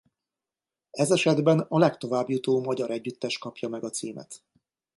Ez esetben a legtovább jutó magyar együttes kapja meg a címet.